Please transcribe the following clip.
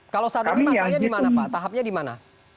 kalau saat ini pasalnya di mana pak tahapnya di mana